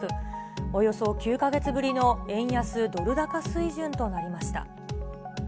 およそ９か月ぶりの円安ドル高水準となりました。